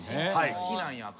好きなんや赤が。